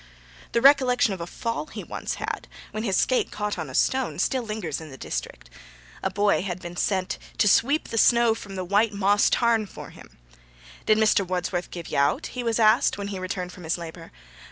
The recollection of a fall he once had, when his skate caught on a stone, still lingers in the district. A boy had been sent to sweep the snow from the White Moss Tarn for him. 'Did Mr. Wudsworth gie ye owt?' he was asked, when he returned from his labour.